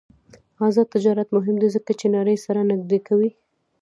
آزاد تجارت مهم دی ځکه چې نړۍ سره نږدې کوي.